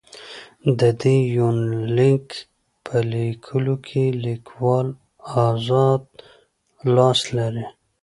د دې يونليک په ليکلوکې ليکوال اذاد لاس لري.